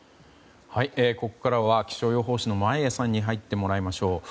ここからは気象予報士の眞家さんに入ってもらいましょう。